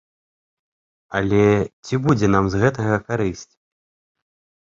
Але ці будзе нам з гэтага карысць?